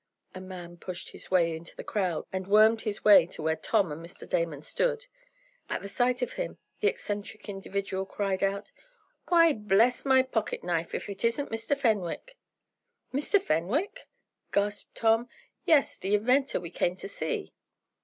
A man pushed his way into the crowd, and wormed his way to where Tom and Mr. Damon stood. At the sight of him, the eccentric individual cried out: "Why bless my pocket knife! If it isn't Mr. Fenwick!" "Mr. Fenwick?" gasped Tom. "Yes. The inventor we came to see!"